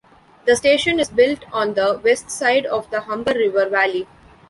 The station is built on the west side of the Humber River valley.